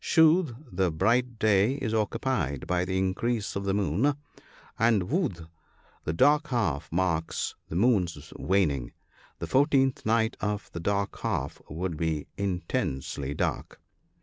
" Shood," the ' bright half, is occupied by the increase of the moon ; and " Vud" the dark half, marks the moon's waning. The fourteenth night of the dark half would be intensely dark.